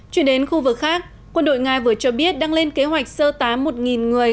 chuyển đến khu vực khác quân đội nga vừa cho biết đang lên kế hoạch sơ tán một người